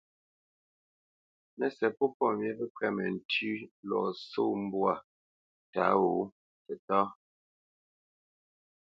Mə́sɛ̌t pô pɔ̂ pəmyá pɛ́ kwɛ́t məntʉ́ʉ́ lɔ sɔ̂ mbwǎ tǎ wǒ tətáá.